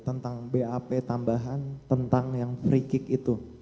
tentang bap tambahan tentang yang free kick itu